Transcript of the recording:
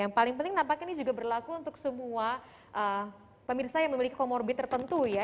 yang paling penting nampaknya ini juga berlaku untuk semua pemirsa yang memiliki comorbid tertentu ya